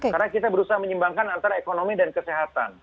karena kita berusaha menyimbangkan antara ekonomi dan kesehatan